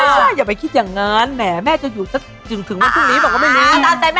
อย่าไปคิดอย่างนั้นแหมแม่จะอยู่สักถึงวันพรุ่งนี้บอกว่าไม่มี